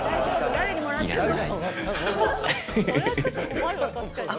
誰にもらったの？